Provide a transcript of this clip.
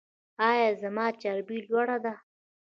ایا زما چربي لوړه ده؟